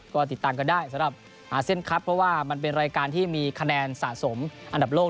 ก็ติดตามกันได้สำหรับอาเซียนครับเพราะว่ามันเป็นรายการที่มีคะแนนสะสมอันดับโลก